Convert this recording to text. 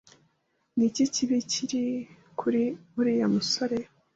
Ni iki kibi kiri kuri uriya musore?